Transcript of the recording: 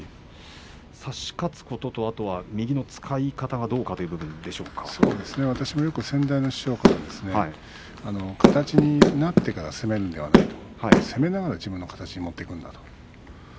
差し勝つこととあとは右の使い方がどうか私もよく先代の師匠から形になってから攻めるのではない攻めながら自分の形に持っていくんだと。